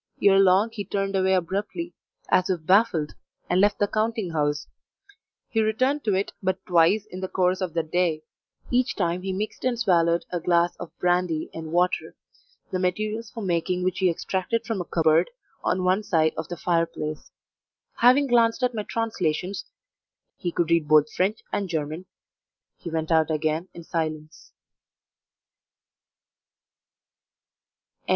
Ere long he turned away abruptly, as if baffled, and left the counting house; he returned to it but twice in the course of that day; each time he mixed and swallowed a glass of brandy and water, the materials for making which he extracted from a cupboard on one side of the fireplace; having glanced at my translations he could read both French and German he went out again in silence.